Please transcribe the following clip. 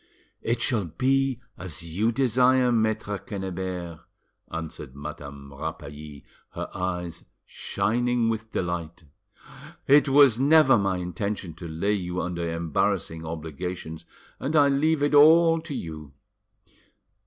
"It shall be as you desire, Maitre Quennebert," answered Madame Rapally, her eyes shining with delight. "It was never my intention to lay you under embarrassing obligations, and I leave it all to you.